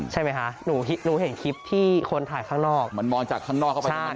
ใช่ไหมคะหนูเห็นคลิปที่คนถ่ายข้างนอกเหมือนมองจากข้างนอกเข้าไปข้างใน